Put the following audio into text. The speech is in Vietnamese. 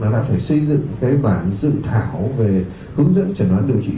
là phải xây dựng cái bản dự thảo về hướng dẫn chẩn đoán điều trị